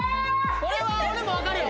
これは俺も分かるよ